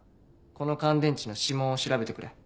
この乾電池の指紋を調べてくれ。